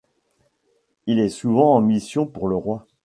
Il est souvent en mission pour le roi.